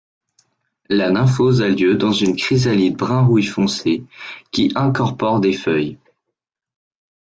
La nymphose a lieu dans une chrysalide brun-rouille foncé qui incorpore des feuilles.